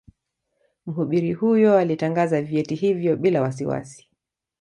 Mhubiri huyo alitangaza vyeti hivyo bila wasiwasi